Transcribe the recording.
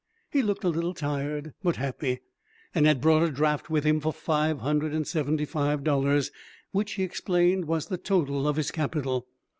He looked a little tired, but happy, and had brought a draft with him for five hundred and seventy five dollars, which he explained was the total of his capital.